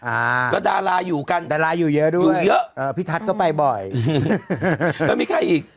อ่าแล้วดาราอยู่กันดาราอยู่เยอะด้วยอยู่เยอะเอ่อพี่ทัศน์ก็ไปบ่อยแล้วมีใครอีก